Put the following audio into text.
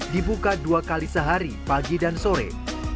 dibuka dua kali sehari pagi dan sore